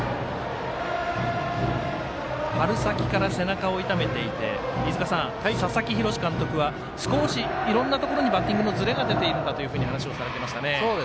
春先から背中を痛めていて佐々木洋監督は少し、いろんなところにバッティングのずれが出ているんだという話をされていましたね。